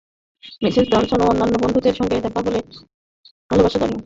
Mrs Johnson ও অন্যান্য বন্ধুদের সঙ্গে দেখা হলে তাদের আমার শ্রদ্ধা ও ভালবাসা জানিও।